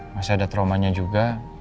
masih ada trauma nya juga